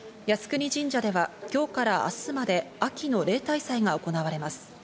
靖国神社では今日から明日まで秋の例大祭が行われます。